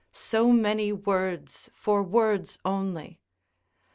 So many words for words only.